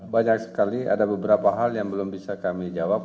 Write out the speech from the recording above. banyak sekali ada beberapa hal yang belum bisa kami jawab